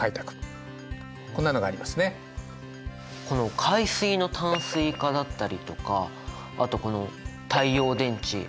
この「海水の淡水化」だったりとかあとこの「太陽電池」